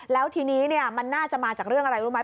แล้วทีนี้มันน่าจะมาจากเรื่องอะไรรู้ไหม